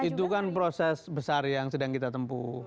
itu kan proses besar yang sedang kita tempuh